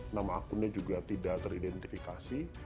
nama akunnya juga tidak teridentifikasi